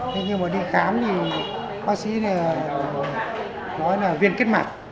thế nhưng mà đi khám thì bác sĩ nói là viên kết mạc